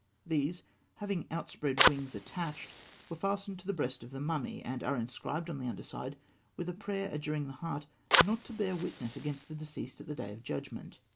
These, having outspread wings attached, were fastened to the breast of the mummy, and are inscribed on the underside with a prayer adjuring the heart not to bear witness against the deceased at the day of judgment.